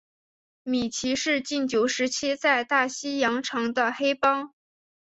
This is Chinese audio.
米奇是禁酒时期在大西洋城的黑帮。